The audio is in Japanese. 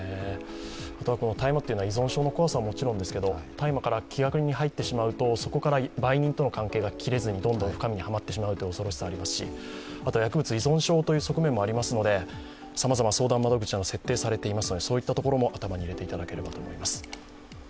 大麻というのは依存症の怖さはもちろんですけど、大麻から、そこから売人との関係が切れずにどんどん深まってしまうというのもありますし薬物依存症という側面もありますので、さまざまな相談窓口が設定されておりますので、そういったところも頭に入れていただければと思います。